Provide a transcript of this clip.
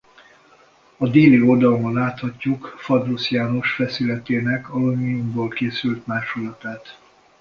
A déli oldalon láthatjuk Fadrusz János feszületének alumíniumból készült másolatát.